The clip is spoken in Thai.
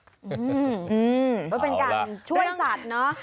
ก็เป็นการช่วยสัตว์เนอะ